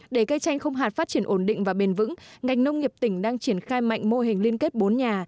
để cây chanh không hạt phát triển ổn định và bền vững ngành nông nghiệp tỉnh đang triển khai mạnh mô hình liên kết bốn nhà